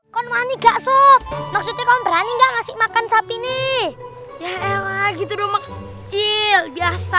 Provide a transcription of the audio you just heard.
konon iga sob maksudnya kau berani gak ngasih makan sapi nih ya elah gitu rumah kecil biasa